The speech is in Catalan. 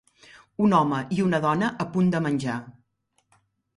Un home i una dona a punt de menjar.